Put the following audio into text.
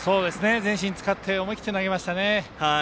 全身を使って思い切って投げましたね。